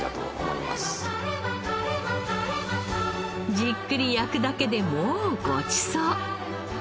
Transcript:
じっくり焼くだけでもうごちそう。